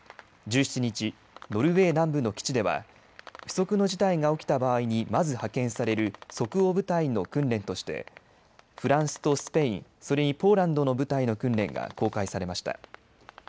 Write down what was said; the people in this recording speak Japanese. １７日ノルウェー南部の基地では不測の事態が起きた場合にまず派遣される即応部隊の訓練としてフランスとスペインそれにポーランドの部隊の訓練が公開されました。